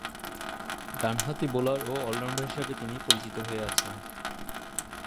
ডানহাতি বোলার ও অল-রাউন্ডার হিসেবে তিনি পরিচিত হয়ে আছেন।